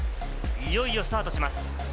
いよいよスタートします。